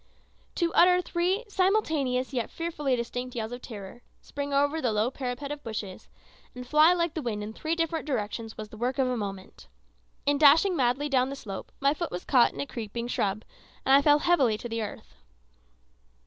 To utter three simultaneous yet fearfully distinct yells of terror, spring over the low parapet of bushes, and fly like the wind in three different directions, was the work of a moment. In dashing madly down the slope my foot caught in a creeping shrub, and I fell heavily to the earth.